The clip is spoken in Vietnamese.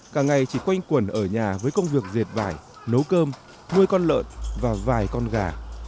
cả ngày chỉ quanh quần ở nhà với công việc dệt vải nấu cơm nuôi con lợn và vài con gà